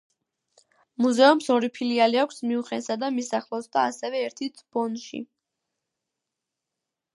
მუზეუმს ორი ფილიალი აქვს მიუნხენსა და მის ახლოს და ასევე ერთიც ბონში.